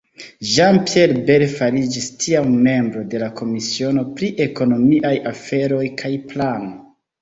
Jean-Pierre Bel fariĝis tiam membro de la komisiono pri ekonomiaj aferoj kaj plano.